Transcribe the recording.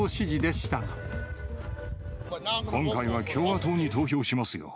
今回は共和党に投票しますよ。